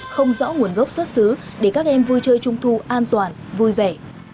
không rõ nguồn gốc xuất xứ để các em vui chơi trung thu an toàn vui vẻ